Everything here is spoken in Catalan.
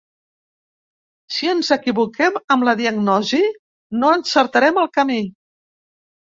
Si ens equivoquem amb la diagnosi, no encertarem el camí.